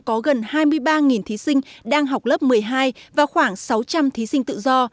có gần hai mươi ba thí sinh đang học lớp một mươi hai và khoảng sáu trăm linh thí sinh tự do